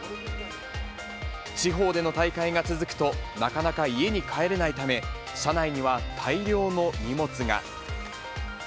地方での大会が続くと、なかなか家に帰れないため、車内には大量の荷物が。